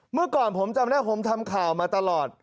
เมื่อก่อนผมจำได้ผมทำข่าวมาตลอด